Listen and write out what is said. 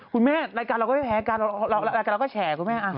รายการเราก็ไม่แพ้กันรายการเราก็แฉคุณแม่